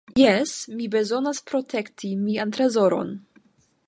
"Jes, mi bezonas protekti mian trezoron."